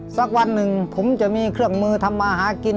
สักวันหนึ่งผมจะมีเครื่องมือทำมาหากิน